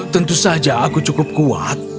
tentu saja aku cukup kuat